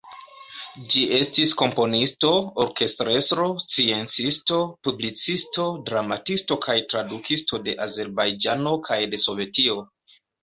Ĝi estis komponisto, orkestrestro, sciencisto, publicisto, dramisto kaj tradukisto de Azerbajĝano kaj de Sovetio.